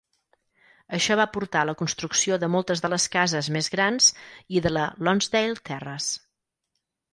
Això va portar a la construcció de moltes de les cases més grans i de la Lonsdale Terrace.